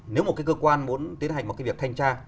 nếu một cái cơ quan muốn tiến hành một cái việc thanh tra